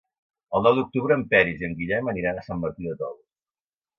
El nou d'octubre en Peris i en Guillem aniran a Sant Martí de Tous.